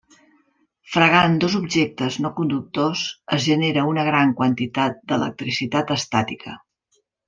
Fregant dos objectes no conductors es genera una gran quantitat d'electricitat estàtica.